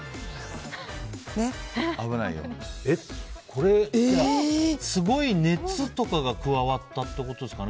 これ、すごい熱とかが加わったってことですか。